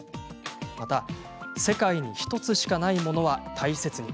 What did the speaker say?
世界に１つしかないものは大切に。